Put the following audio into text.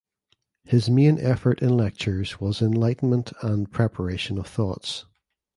His main effort in lectures was enlightenment and preparation of thoughts.